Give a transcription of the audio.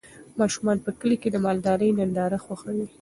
ماشومان په کلي کې د مالدارۍ ننداره خوښوي.